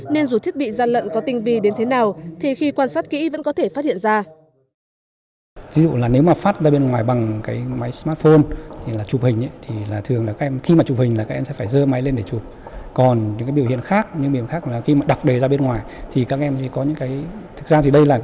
nên dù thiết bị gian lận có tinh vi đến thế nào thì khi quan sát kỹ vẫn có thể phát hiện ra